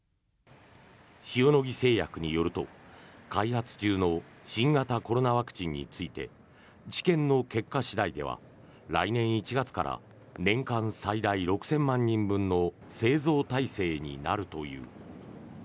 塩野義製薬によると、開発中の新型コロナワクチンについて治験の結果次第では来年１月から年間最大６０００万人分の製造体制になるという。